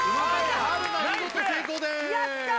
春菜見事成功ですやった！